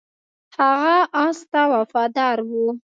هغه اس ته وفادار و.